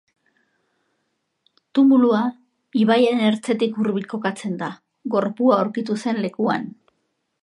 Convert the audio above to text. Tumulua ibaiaren ertzetik hurbil kokatzen da, gorpua aurkitu zen lekuan.